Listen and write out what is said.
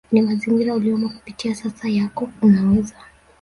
ni mazingira uliyomo Kupitia sasa yako unaweza